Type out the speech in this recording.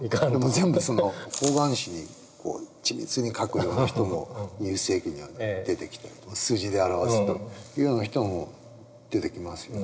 全部方眼紙に緻密に書くような人も２０世紀には出てきて数字で表すというような人も出てきますよね。